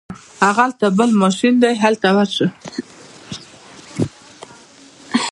هغلته بل ماشین دی هلته ورشه.